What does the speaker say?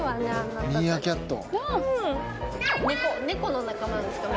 猫の仲間ですか？